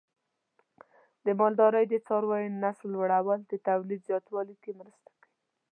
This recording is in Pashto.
د مالدارۍ د څارویو نسل لوړول د تولید زیاتوالي کې مرسته کوي.